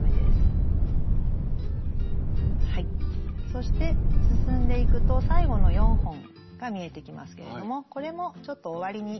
そして進んでいくと最後の４本が見えてきますけれどもこれもちょっと終わりに向けて斜めにカットしておきます。